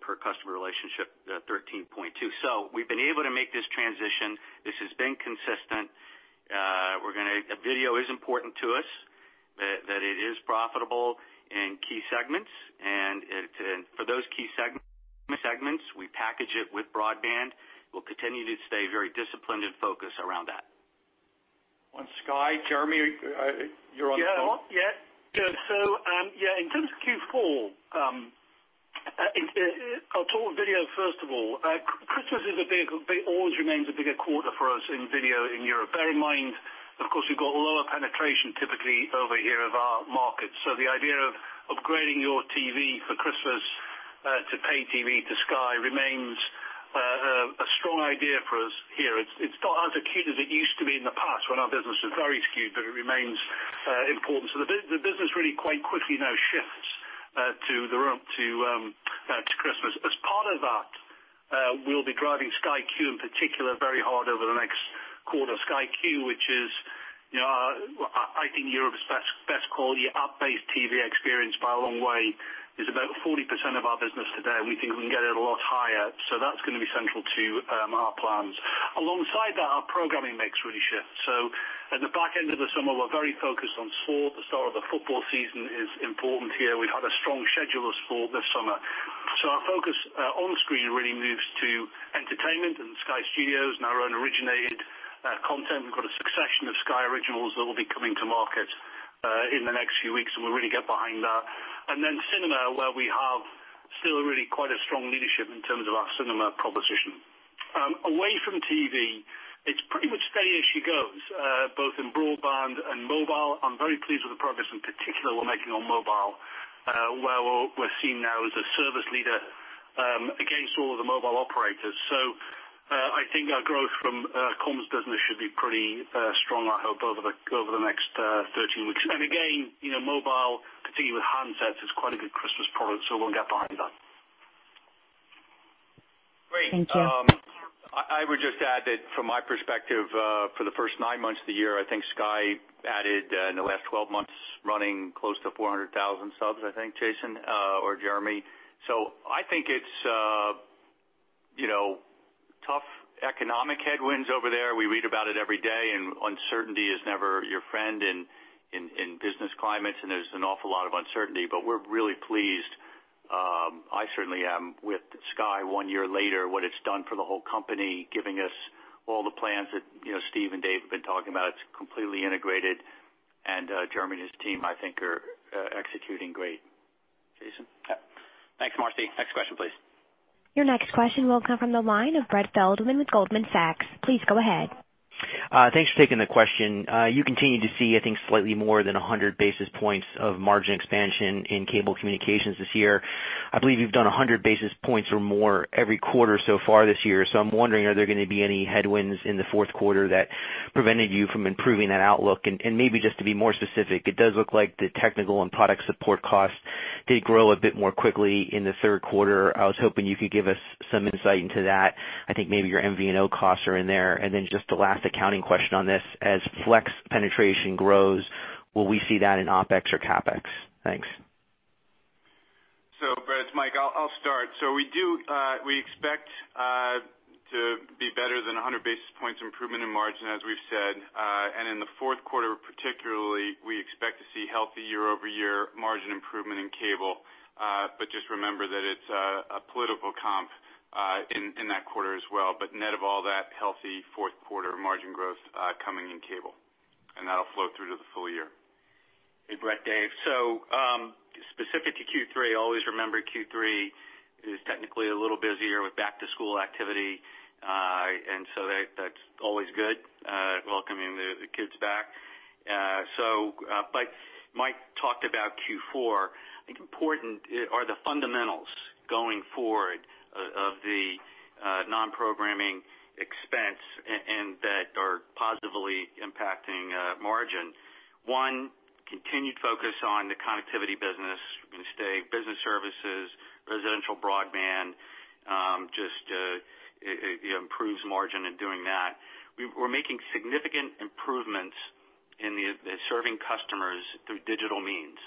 per customer relationship, 13.2%. We've been able to make this transition. This has been consistent. Video is important to us, that it is profitable in key segments. For those key segments, we package it with broadband. We'll continue to stay very disciplined and focused around that. On Sky, Jeremy, you're on the phone. Yeah. In terms of Q4, I'll talk video first of all. Christmas always remains a bigger quarter for us in video in Europe. Bear in mind, of course, we've got lower penetration typically over here of our markets. The idea of upgrading your TV for Christmas to pay TV to Sky remains a strong idea for us here. It's not as acute as it used to be in the past when our business was very skewed, but it remains important. The business really quite quickly now shifts to Christmas. As part of that, we'll be driving Sky Q in particular very hard over the next quarter. Sky Q, which is I think Europe's best quality app-based TV experience by a long way, is about 40% of our business today, and we think we can get it a lot higher. That's going to be central to our plans. Alongside that, our programming mix really shifts. At the back end of the summer, we're very focused on sport. The start of the football season is important here. We've had a strong schedule of sport this summer. Our focus on screen really moves to entertainment and Sky Studios and our own originated content. We've got a succession of Sky Original that will be coming to market. In the next few weeks, we'll really get behind that. Cinema, where we have still really quite a strong leadership in terms of our cinema proposition. Away from TV, it's pretty much steady as she goes, both in broadband and mobile. I'm very pleased with the progress in particular we're making on mobile, where we're seen now as a service leader against all of the mobile operators. I think our growth from comms business should be pretty strong, I hope, over the next 13 weeks. Again, mobile, particularly with handsets, is quite a good Christmas product, so we'll get behind that. Great. Thank you. I would just add that from my perspective, for the first nine months of the year, I think Sky added in the last 12 months, running close to 400,000 subs, I think, Jason or Jeremy. I think it's tough economic headwinds over there. We read about it every day, and uncertainty is never your friend in business climates, and there's an awful lot of uncertainty. We're really pleased, I certainly am, with Sky one year later, what it's done for the whole company, giving us all the plans that Steve and Dave have been talking about. It's completely integrated, and Jeremy and his team, I think, are executing great. Jason? Yeah. Thanks, Marci. Next question, please. Your next question will come from the line of Brett Feldman with Goldman Sachs. Please go ahead. Thanks for taking the question. You continue to see, I think, slightly more than 100 basis points of margin expansion in Cable Communications this year. I believe you've done 100 basis points or more every quarter so far this year. I'm wondering, are there going to be any headwinds in the fourth quarter that prevented you from improving that outlook? Maybe just to be more specific, it does look like the technical and product support costs did grow a bit more quickly in the third quarter. I was hoping you could give us some insight into that. I think maybe your MVNO costs are in there. Then just the last accounting question on this, as Flex penetration grows, will we see that in OpEx or CapEx? Thanks. Brett, it's Mike, I'll start. We expect to be better than 100 basis points improvement in margin, as we've said. In the fourth quarter particularly, we expect to see healthy year-over-year margin improvement in cable. Just remember that it's a political comp in that quarter as well. Net of all that, healthy fourth quarter margin growth coming in cable. That'll flow through to the full year. Hey, Brett, Dave. Specific to Q3, always remember Q3 is technically a little busier with back-to-school activity. That's always good welcoming the kids back. Mike talked about Q4. I think important are the fundamentals going forward of the non-programming expense and that are positively impacting margin. One, continued focus on the connectivity business, going to stay business services, residential broadband, just improves margin in doing that. We're making significant improvements in serving customers through digital means.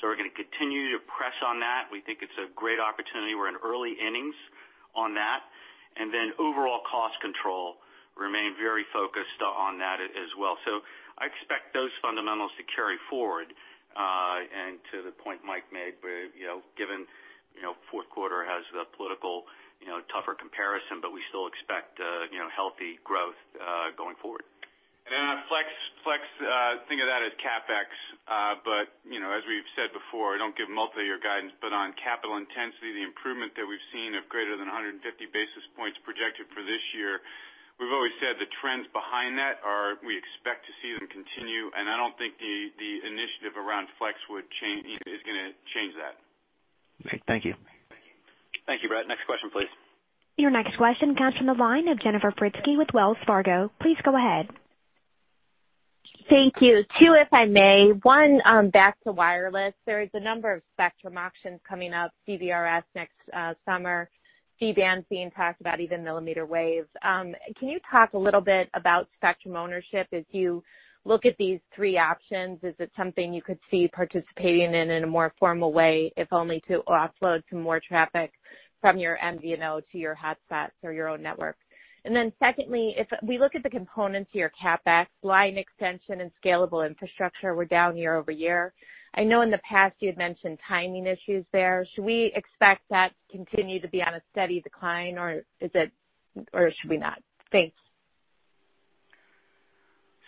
We're going to continue to press on that. We think it's a great opportunity. We're in early innings on that. Overall cost control remain very focused on that as well. I expect those fundamentals to carry forward. To the point Mike made, given fourth quarter has the political tougher comparison, but we still expect healthy growth going forward. On Flex, think of that as CapEx. As we've said before, I don't give multi-year guidance, but on capital intensity, the improvement that we've seen of greater than 150 basis points projected for this year, we've always said the trends behind that are we expect to see them continue, and I don't think the initiative around Flex is going to change that. Great. Thank you. Thank you, Brett. Next question, please. Your next question comes from the line of Jennifer Fritzsche with Wells Fargo. Please go ahead. Thank you. Two, if I may. One, back to wireless. There is a number of spectrum auctions coming up, CBRS next summer, C-band being talked about, even millimeter waves. Can you talk a little bit about spectrum ownership as you look at these three options? Is it something you could see participating in a more formal way, if only to offload some more traffic from your MVNO to your hotspots or your own network? Secondly, if we look at the components of your CapEx, line extension and scalable infrastructure were down year-over-year. I know in the past you had mentioned timing issues there. Should we expect that to continue to be on a steady decline or should we not? Thanks.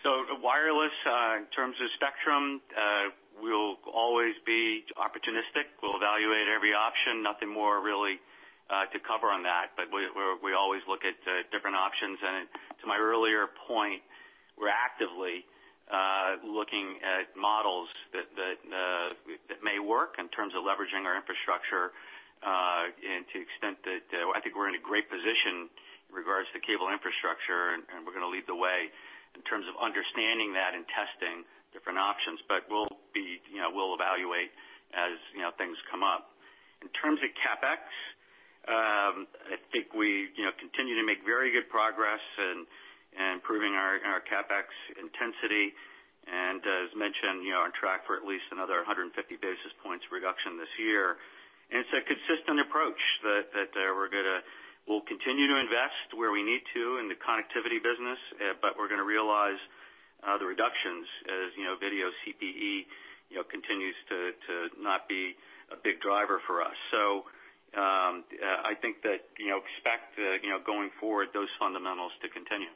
Wireless, in terms of spectrum, we'll always be opportunistic. We'll evaluate every option. Nothing more really to cover on that, but we always look at different options. To my earlier point, we're actively looking at models that may work in terms of leveraging our infrastructure and to the extent that I think we're in a great position in regards to cable infrastructure, and we're going to lead the way in terms of understanding that and testing different options. We'll evaluate as things come up. In terms of CapEx, I think we continue to make very good progress in improving our CapEx intensity. As mentioned, on track for at least another 150 basis points reduction this year. It's a consistent approach that we'll continue to invest where we need to in the connectivity business, but we're going to realize the reductions as video CPE continues to not be a big driver for us. I think that expect going forward those fundamentals to continue.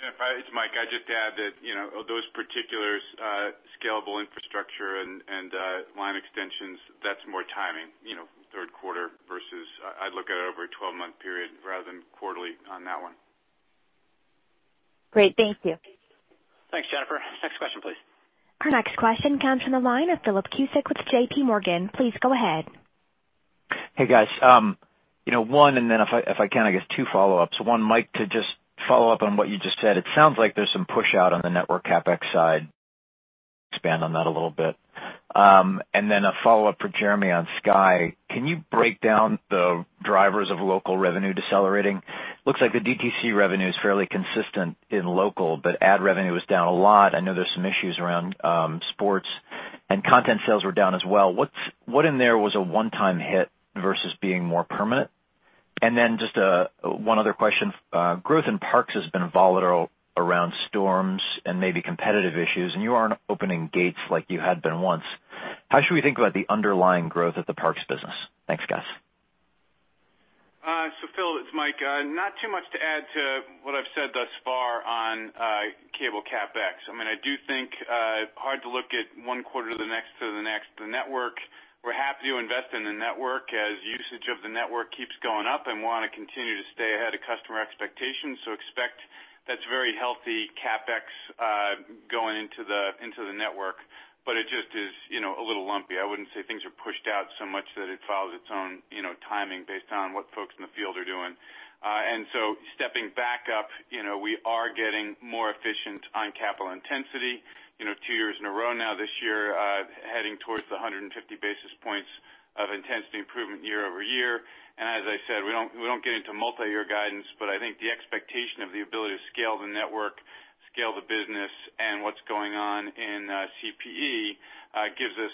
Jennifer, it's Mike. I'd just add that, those particulars, scalable infrastructure and line extensions, that's more timing, third quarter. I'd look at it over a 12-month period rather than quarterly on that one. Great. Thank you. Thanks, Jennifer. Next question, please. Our next question comes from the line of Philip Cusick with JPMorgan. Please go ahead. Hey, guys. One, if I can, I guess two follow-ups. One, Mike, to just follow up on what you just said, it sounds like there's some push out on the network CapEx side. Expand on that a little bit. A follow-up for Jeremy on Sky. Can you break down the drivers of local revenue decelerating? Looks like the DTC revenue is fairly consistent in local, but ad revenue is down a lot. I know there's some issues around sports, and content sales were down as well. What in there was a one-time hit versus being more permanent? Just one other question. Growth in parks has been volatile around storms and maybe competitive issues, and you aren't opening gates like you had been once. How should we think about the underlying growth of the parks business? Thanks, guys. Phil, it's Mike. Not too much to add to what I've said thus far on Cable CapEx. I do think hard to look at one quarter to the next to the next. The network, we're happy to invest in the network as usage of the network keeps going up and want to continue to stay ahead of customer expectations. Expect that's very healthy CapEx going into the network. It just is a little lumpy. I wouldn't say things are pushed out so much that it follows its own timing based on what folks in the field are doing. Stepping back up, we are getting more efficient on capital intensity, two years in a row now this year, heading towards the 150 basis points of intensity improvement year-over-year. As I said, we don't get into multi-year guidance, but I think the expectation of the ability to scale the network, scale the business, and what's going on in CPE gives us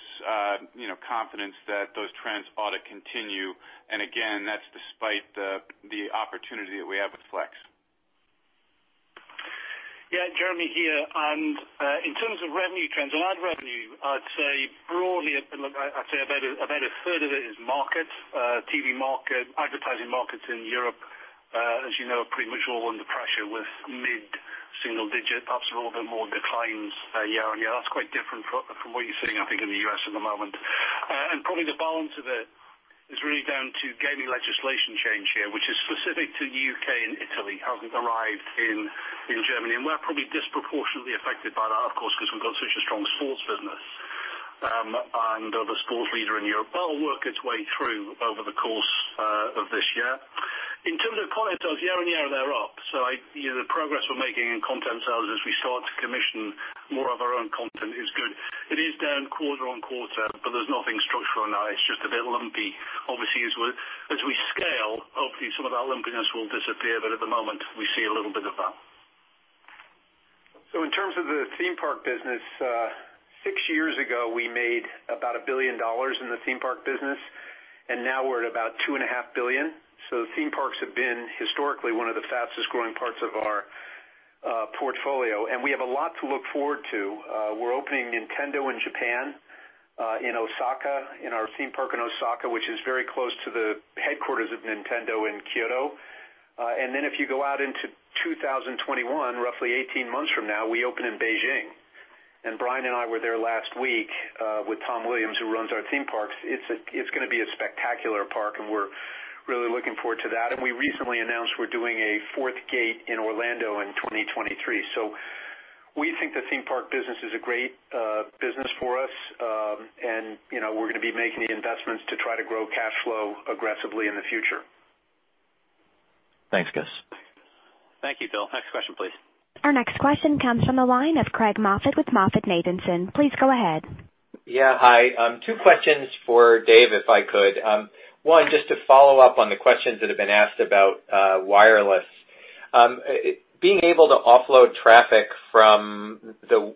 confidence that those trends ought to continue. Again, that's despite the opportunity that we have with Flex. Yeah, Jeremy here. In terms of revenue trends and ad revenue, I'd say broadly, about a third of it is market. TV market, advertising markets in Europe, as you know, are pretty much all under pressure with mid-single digit, perhaps a little bit more declines year-on-year. That's quite different from what you're seeing, I think, in the U.S. at the moment. Probably the balance of it is really down to gaming legislation change here, which is specific to the U.K. and Italy. Hasn't arrived in Germany, and we're probably disproportionately affected by that, of course, because we've got such a strong sports business and are the sports leader in Europe. It'll work its way through over the course of this year. In terms of content sales, year-on-year, they're up. The progress we're making in content sales as we start to commission more of our own content is good. It is down quarter-on-quarter, but there's nothing structural now. It's just a bit lumpy. Obviously, as we scale, hopefully some of that lumpiness will disappear, but at the moment, we see a little bit of that. In terms of the theme park business, six years ago, we made about $1 billion in the theme park business, and now we're at about $2.5 billion. Theme parks have been historically one of the fastest growing parts of our portfolio, and we have a lot to look forward to. We're opening Nintendo in Japan, in Osaka, in our theme park in Osaka, which is very close to the headquarters of Nintendo in Kyoto. If you go out into 2021, roughly 18 months from now, we open in Beijing. Brian and I were there last week with Tom Williams, who runs our theme parks. It's going to be a spectacular park, and we're really looking forward to that. We recently announced we're doing a fourth gate in Orlando in 2023. We think the theme park business is a great business for us, and we're going to be making the investments to try to grow cash flow aggressively in the future. Thanks, guys. Thank you, Phil. Next question, please. Our next question comes from the line of Craig Moffett with MoffettNathanson. Please go ahead. Yeah. Hi. Two questions for Dave, if I could. One, just to follow up on the questions that have been asked about wireless. Being able to offload traffic from the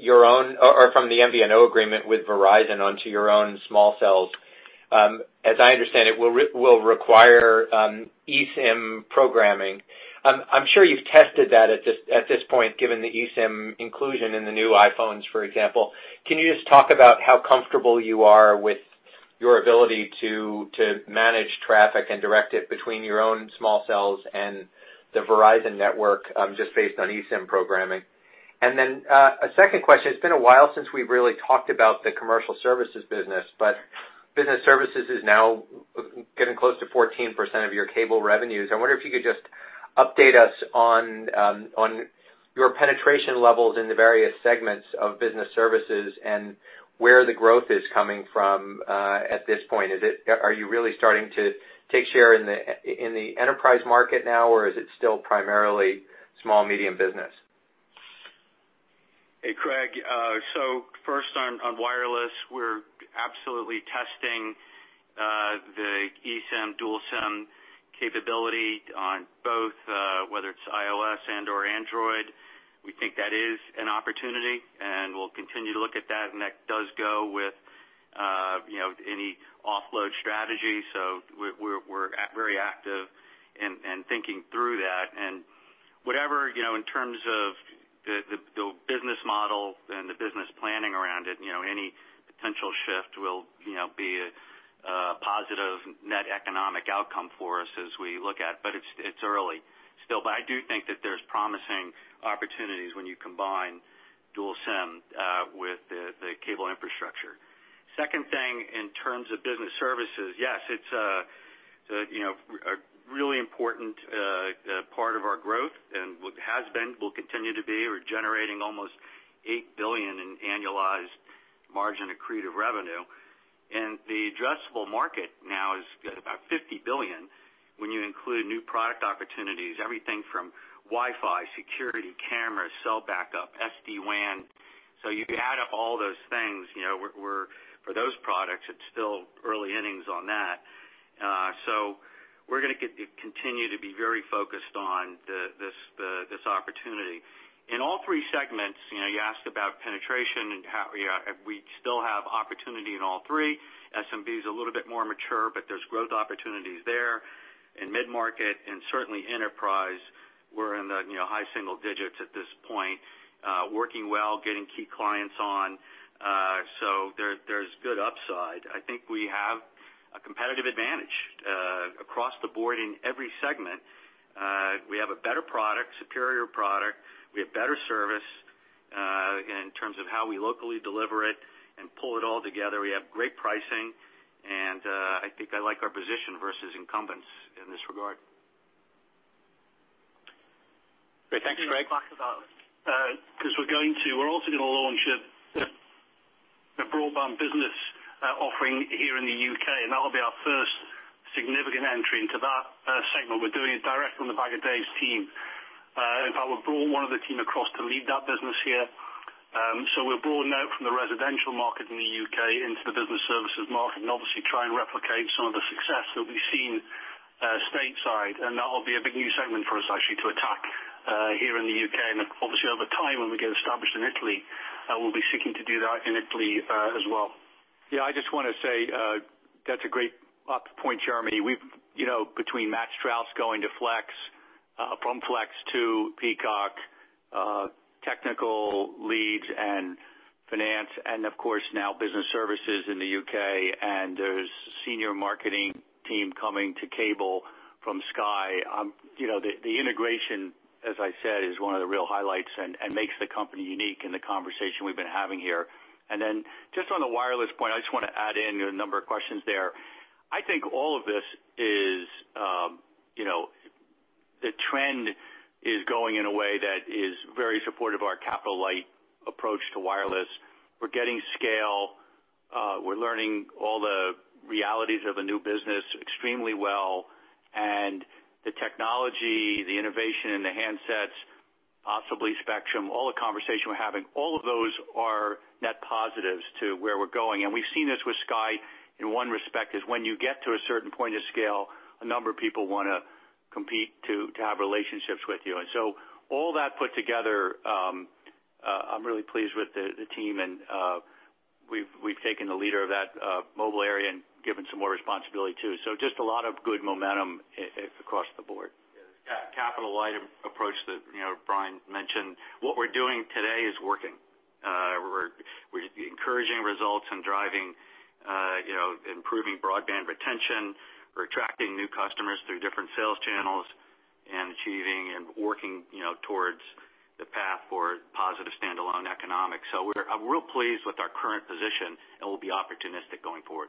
MVNO agreement with Verizon onto your own small cells, as I understand it, will require eSIM programming. I'm sure you've tested that at this point, given the eSIM inclusion in the new iPhones, for example. Can you just talk about how comfortable you are with your ability to manage traffic and direct it between your own small cells and the Verizon network, just based on eSIM programming? A second question. It's been a while since we've really talked about the commercial services business services is now getting close to 14% of your cable revenues. I wonder if you could just update us on your penetration levels in the various segments of business services and where the growth is coming from at this point. Are you really starting to take share in the enterprise market now, or is it still primarily small medium business? Hey, Craig. First on wireless, we're absolutely testing the eSIM, dual SIM capability on both, whether it's iOS and/or Android. We think that is an opportunity, and we'll continue to look at that, and that does go with any offload strategy. Thinking through that and whatever, in terms of the business model and the business planning around it, any potential shift will be a positive net economic outcome for us as we look at. It's early still, but I do think that there's promising opportunities when you combine dual SIM with the cable infrastructure. Second thing, in terms of business services, yes, it's a really important part of our growth and has been, will continue to be. We're generating almost $8 billion in annualized margin accretive revenue. The addressable market now is about $50 billion when you include new product opportunities, everything from Wi-Fi, security cameras, cell backup, SD-WAN. You add up all those things, for those products, it's still early innings on that. We're going to continue to be very focused on this opportunity. In all 3 segments, you asked about penetration and we still have opportunity in all 3. SMB is a little bit more mature. There's growth opportunities there. In mid-market and certainly enterprise, we're in the high single digits at this point, working well, getting key clients on. There's good upside. I think we have a competitive advantage across the board in every segment. We have a better product, superior product. We have better service in terms of how we locally deliver it and pull it all together. We have great pricing, and I think I like our position versus incumbents in this regard. Great. Thanks, Craig. Because we're also going to launch a broadband business offering here in the U.K., and that'll be our first significant entry into that segment. We're doing it direct from the [Bagadaes] team. In fact, we've brought one of the team across to lead that business here. We're broadening out from the residential market in the U.K. into the business services market and obviously try and replicate some of the success that we've seen stateside. That'll be a big new segment for us actually to attack here in the U.K. Obviously, over time, when we get established in Italy, we'll be seeking to do that in Italy as well. Yeah, I just want to say, that's a great point, Jeremy. Between Matt Strauss going to Flex, from Flex to Peacock, technical leads and finance, and of course now business services in the U.K., and there's senior marketing team coming to cable from Sky. The integration, as I said, is one of the real highlights and makes the company unique in the conversation we've been having here. Just on the wireless point, I just want to add in a number of questions there. I think all of this is the trend is going in a way that is very supportive of our capital light approach to wireless. We're getting scale. We're learning all the realities of a new business extremely well, and the technology, the innovation in the handsets, possibly spectrum, all the conversation we've been having, all of those are net positives to where we're going. We've seen this with Sky in one respect is when you get to a certain point of scale, a number of people want to compete to have relationships with you. All that put together, I'm really pleased with the team and we've taken the leader of that mobile area and given some more responsibility, too. Just a lot of good momentum across the board. Yeah, capital light approach that Brian mentioned. What we're doing today is working. We're encouraging results and driving, improving broadband retention. We're attracting new customers through different sales channels and achieving and working towards the path for positive standalone economics. I'm real pleased with our current position, and we'll be opportunistic going forward.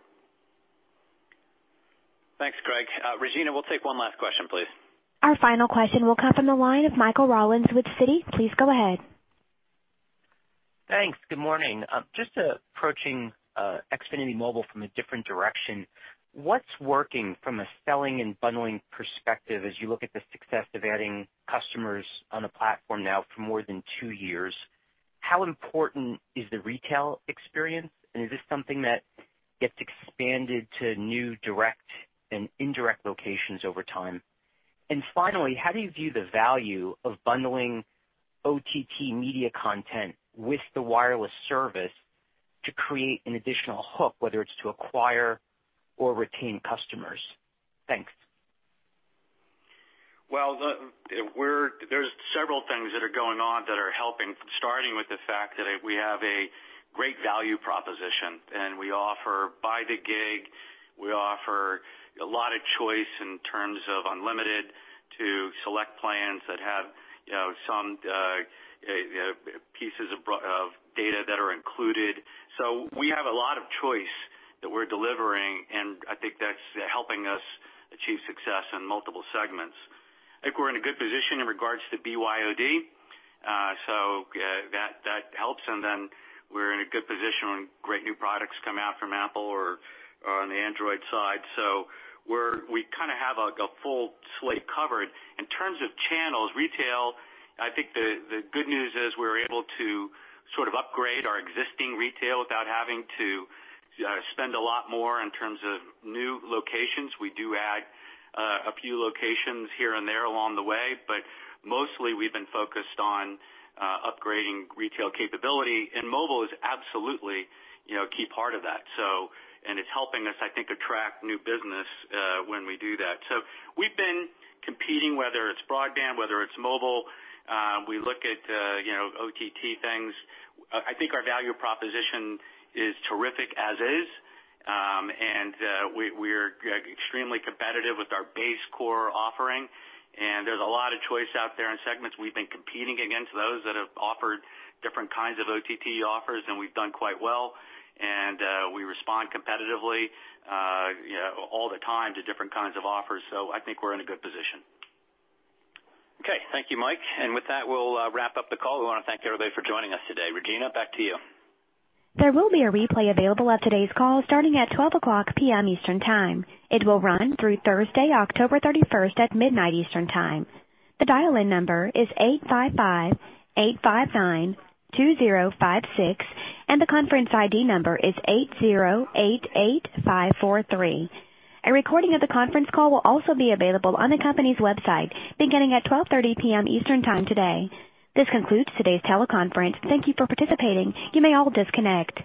Thanks, Craig. Regina, we'll take one last question, please. Our final question will come from the line of Michael Rollins with Citi. Please go ahead. Thanks. Good morning. Just approaching Xfinity Mobile from a different direction. What's working from a selling and bundling perspective as you look at the success of adding customers on a platform now for more than two years? How important is the retail experience, is this something that gets expanded to new direct and indirect locations over time? Finally, how do you view the value of bundling OTT media content with the wireless service to create an additional hook, whether it's to acquire or retain customers? Thanks. Well, there's several things that are going on that are helping, starting with the fact that we have a great value proposition, and we offer by the gig. We offer a lot of choice in terms of unlimited to select plans that have some pieces of data that are included. We have a lot of choice that we're delivering, and I think that's helping us achieve success in multiple segments. I think we're in a good position in regards to BYOD. That helps, and then we're in a good position when great new products come out from Apple or on the Android side. We kind of have a full slate covered. In terms of channels, retail, I think the good news is we're able to sort of upgrade our existing retail without having to spend a lot more in terms of new locations. We do add a few locations here and there along the way, but mostly we've been focused on upgrading retail capability, and mobile is absolutely a key part of that. It's helping us, I think, attract new business when we do that. We've been competing, whether it's broadband, whether it's mobile. We look at OTT things. I think our value proposition is terrific as is. We're extremely competitive with our base core offering, and there's a lot of choice out there in segments. We've been competing against those that have offered different kinds of OTT offers, and we've done quite well. We respond competitively all the time to different kinds of offers. I think we're in a good position. Okay. Thank you, Mike. With that, we'll wrap up the call. We want to thank everybody for joining us today. Regina, back to you. There will be a replay available of today's call starting at 12:00 P.M. Eastern Time. It will run through Thursday, October 31st at midnight Eastern Time. The dial-in number is 855-859-2056, and the conference ID number is 8088543. A recording of the conference call will also be available on the company's website beginning at 12:30 P.M. Eastern Time today. This concludes today's teleconference. Thank you for participating. You may all disconnect.